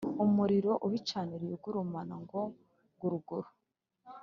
umuriro ubicaniriye ugurumana ngo guruguru